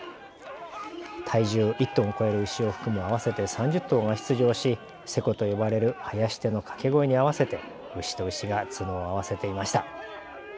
体重１トンを超える牛を含む合わせて３０頭が出場しせこと呼ばれる囃子手の掛け声に合わせて牛と牛が角を合わせていました。